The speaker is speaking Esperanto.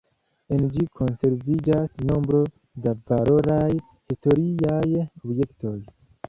En ĝi konserviĝas nombro da valoraj historiaj objektoj.